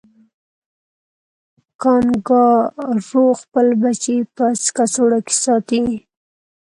کانګارو خپل بچی په کڅوړه کې ساتي